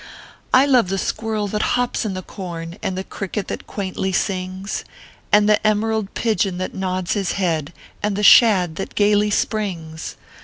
I love the squirrel that hops in the com, And the cricket that quaintly sings; And the emerald pigeon that nods his head, And the shad that gayly springs.